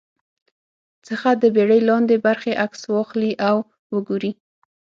څخه د بېړۍ لاندې برخې عکس واخلي او وګوري